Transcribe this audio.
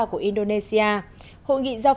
của indonesia hội nghị do